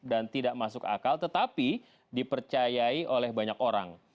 dan tidak masuk akal tetapi dipercayai oleh banyak orang